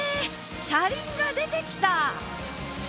車輪が出てきた！